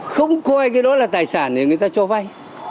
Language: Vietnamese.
không coi cái đó là tài sản để người ta cho vay